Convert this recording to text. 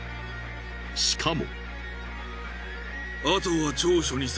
しかも。